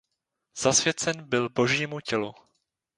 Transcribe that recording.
Zasvěcen byl Božímu Tělu.